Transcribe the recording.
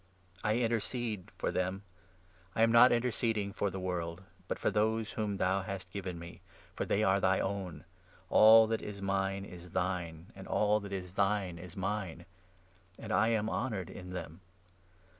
I 9 intercede for them ; I am noi interceding for the world, but for those whom thou hast given me, for they are thy own — all that 10 is mine is thine, and all that is thine is mine — and I am honoured in them.